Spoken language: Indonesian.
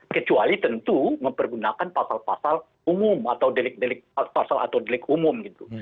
kecuali tentu mempergunakan pasal pasal umum atau delik delik pasal atau delik umum gitu